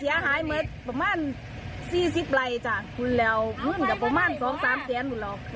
ยี่สิบไล่จ้ะหมดแล้วก็ประมาณสองสามแสนหมดแล้ว